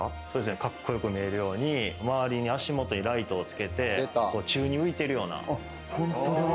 かっこよく見えるように、周りに足元にライトをつけて、宙に浮いているような。